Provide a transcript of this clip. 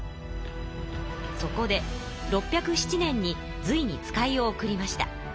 そこで６０７年に隋に使いを送りました。